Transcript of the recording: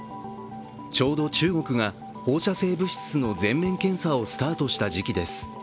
ちょうど、中国が放射性物質の全面検査をスタートした時期です。